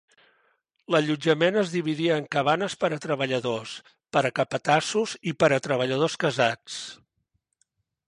L'allotjament es dividia en cabanes per a treballadors, per a capatassos i per a treballadors casats.